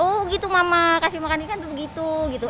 oh gitu mama kasih makan ikan tuh begitu gitu